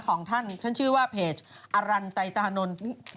ของท่านเพจชื่อว่าอรันไตรานล